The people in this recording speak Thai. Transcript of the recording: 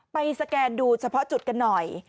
สแกนดูเฉพาะจุดกันหน่อย